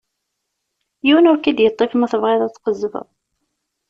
Yiwen ur k-id-yeṭṭif ma tebɣiḍ ad tqezzbeḍ.